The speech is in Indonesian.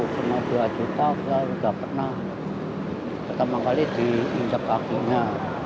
cuma dua juta saya sudah pernah pertama kali diinjak kakinya